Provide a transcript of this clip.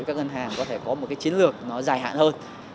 các ngân hàng có thể có một cái chiến lược nó dài hạn hơn